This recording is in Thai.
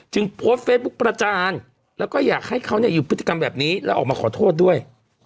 โพสต์เฟซบุ๊กประจานแล้วก็อยากให้เขาอยู่พฤติกรรมแบบนี้แล้วออกมาขอโทษด้วย